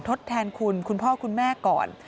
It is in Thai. ทดแทนคุณคุณพ่อคุณแม่ก่อน